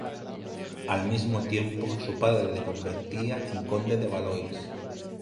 Al mismo tiempo, su padre le convertía en Conde de Valois.